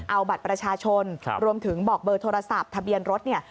เอาบัตรประชาชนรวมถึงบอกเบอร์โทรศัพท์ทะเบียนรถเนี่ย